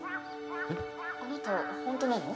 あなた本当なの？